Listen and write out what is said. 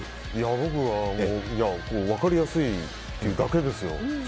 僕は、分かりやすかったというだけですよ。